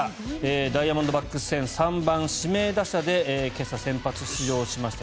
ダイヤモンドバックス戦３番指名打者で今朝、先発出場しました。